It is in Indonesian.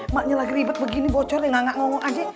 maknya lagi ribet begini bocornya